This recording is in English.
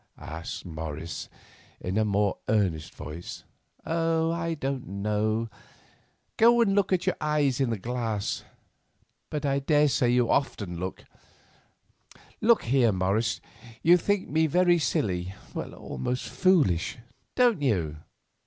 asked Morris, in a more earnest voice. "Oh, I don't know. Go and look at your own eyes in the glass—but I daresay you do often enough. Look here, Morris, you think me very silly—almost foolish—don't you?"